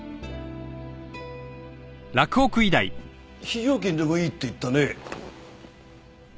非常勤でもいいって言ったね。